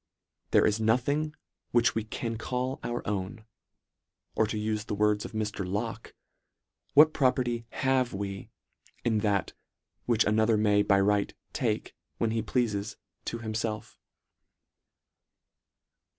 " There is nothing " which we can call our own", or to ufe the words of Mr. Locke, " What property " have" we " in that, which another may, " by right, take, when he pleafes, to him " felf."